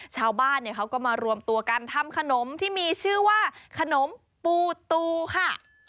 ชาวบ้านเขาก็มารวมตัวกันทำขนมที่มีชื่อว่าขนมปูตูค่ะ